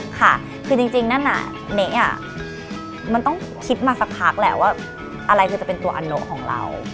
ค่ะคือจริงนั่นน่ะเนกมันต้องคิดมาสักพักแหละว่าอะไรคือจะเป็นตัวอันโนของเรา